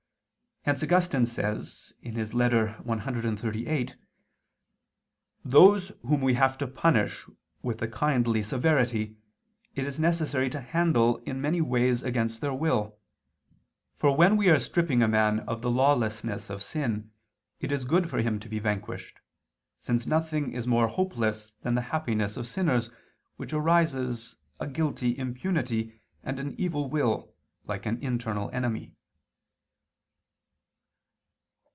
Hence Augustine says (Ep. ad Marcellin. cxxxviii): "Those whom we have to punish with a kindly severity, it is necessary to handle in many ways against their will. For when we are stripping a man of the lawlessness of sin, it is good for him to be vanquished, since nothing is more hopeless than the happiness of sinners, whence arises a guilty impunity, and an evil will, like an internal enemy."